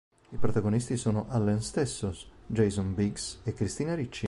I protagonisti sono Allen stesso, Jason Biggs e Christina Ricci.